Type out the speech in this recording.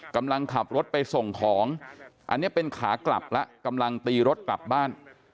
กำลังขับรถไปส่งของอันนี้เป็นขากลับแล้วกำลังตีรถกลับบ้าน